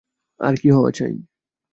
আর কী হওয়া চাই!